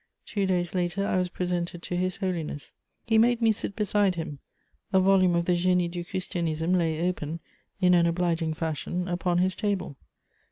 Two days later I was presented to His Holiness: he made me sit beside him. A volume of the Génie du Christianisme lay open, in an obliging fashion, upon his table.